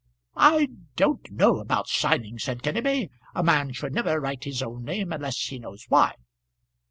"I don't know about signing," said Kenneby. "A man should never write his own name unless he knows why."